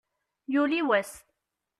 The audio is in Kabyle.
Yuli wass.